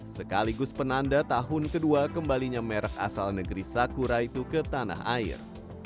sekaligus penanda tahun kedua kembalinya merek asal negeri sakura itu ke tanah air